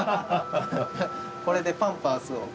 これでパンパースを買います。